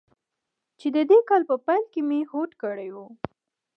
چې د دې کال په پیل کې مې هوډ کړی و.